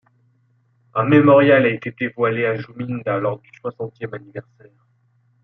Un mémorial a été dévoilé à Juminda lors du soixantième anniversaire.